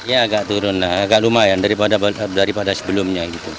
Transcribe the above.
ya agak turun agak lumayan daripada sebelumnya